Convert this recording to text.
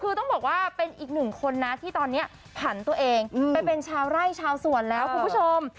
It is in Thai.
คือต้องบอกว่าเป็นอีกหนึ่งคนนะที่ตอนนี้ผันตัวเองไปเป็นชาวไร่ชาวสวนแล้วคุณผู้ชม